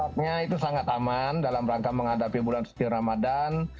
jaraknya itu sangat aman dalam rangka menghadapi bulan suci ramadan